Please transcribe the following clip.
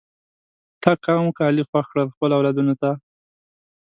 تا کوم کالی خوښ کړل خپلو اولادونو ته؟